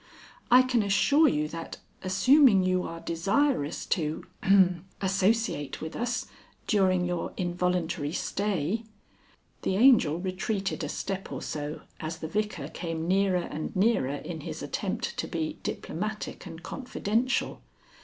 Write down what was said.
I can assure you that, assuming you are desirous to, ahem, associate with us during your involuntary stay " The Angel retreated a step or so as the Vicar came nearer and nearer in his attempt to be diplomatic and confidential.